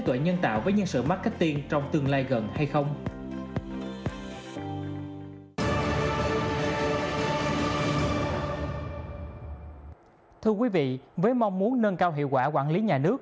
thưa quý vị với mong muốn nâng cao hiệu quả quản lý nhà nước